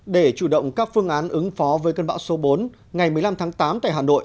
để chủ động các phương án ứng phó với cơn bão số bốn ngày một mươi năm tháng tám tại hà nội